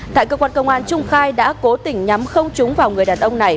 tại cơ quan công an trung khai đã cố tình nhắm không trúng vào người đàn ông này